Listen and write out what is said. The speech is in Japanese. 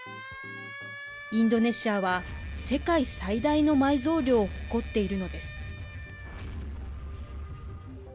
インドネシアは世界最大の埋蔵量を誇っているのです。